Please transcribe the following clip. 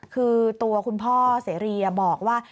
คือตัวคุณพ่อเสรีบอกว่า